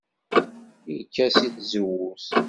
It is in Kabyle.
Yekka seg tzewwut.